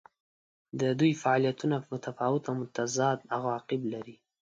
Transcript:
د دوی فعالیتونه متفاوت او متضاد عواقب لري.